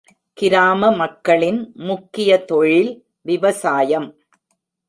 கிராம மக்களின் முக்கிய தொழில் விவசாயம்.